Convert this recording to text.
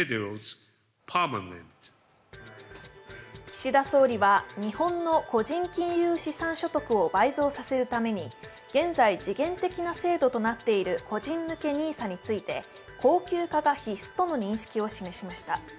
岸田総理は日本の個人金融資産所得を倍増させるために現在、時限的な制度となっている個人向けＮＩＳＡについて恒久化が必須との認識を示しました。